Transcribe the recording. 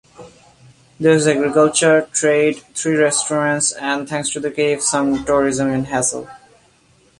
There is agriculture, trade, three restaurants and, thanks to the cave, some tourism in Hasel.